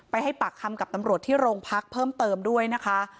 ให้ปากคำกับตำรวจที่โรงพักเพิ่มเติมด้วยนะคะ